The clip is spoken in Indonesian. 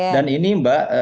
dan ini mbak